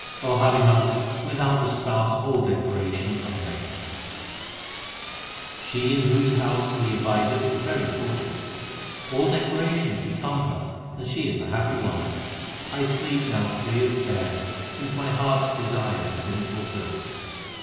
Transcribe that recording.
O Harihan, without the Spouse all decorations are vain. HYMNS OF GURU ARJAN 439 4 She in whose house He abideth is very fortunate ; All decorations become her, and she is a happy wife, I sleep now free of care since my heart s desires have been fulfilled.